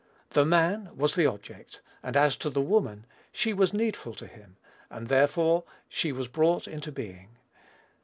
"The man" was the object; and as to "the woman," she was needful to him, and therefore she was brought into being.